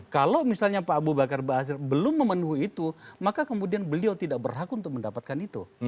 kalau misalnya pak abu bakar basir belum memenuhi itu maka kemudian beliau tidak berhak untuk mendapatkan itu